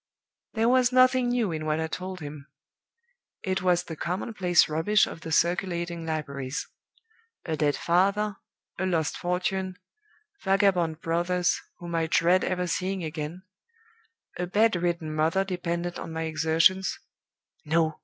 "There was nothing new in what I told him; it was the commonplace rubbish of the circulating libraries. A dead father; a lost fortune; vagabond brothers, whom I dread ever seeing again; a bedridden mother dependent on my exertions No!